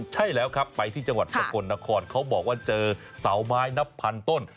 ใช่แล้วครับไปที่จังหวัดสกลนครเขาบอกว่าเจอเสาไม้นับพันต้น